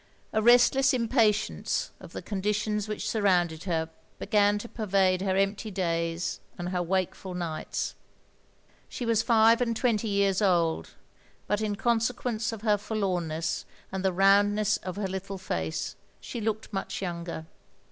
A restless impatience of the conditions which surrotmded her began to pervade her empty days and her wakeful nights. She was five and twenty years old, but in con sequence of her forlonmess, and the roundness of her little face, she looked much younger.